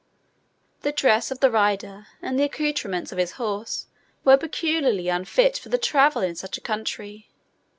The dress of the rider and the accoutrements of his horse were peculiarly unfit for the traveller in such a country.